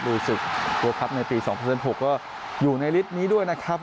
ศึกตัวพับในปี๒๐๐๑๖ก็อยู่ในฤทธิ์นี้ด้วยนะครับ